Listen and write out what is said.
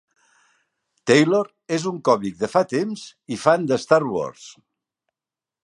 Taylor és un còmic de fa temps i fan de "Star Wars".